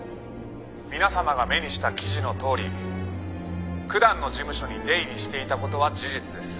「皆様が目にした記事のとおりくだんの事務所に出入りしていた事は事実です」